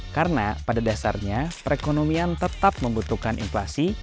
karena pada dasarnya perekonomian tetap membutuhkan inflasi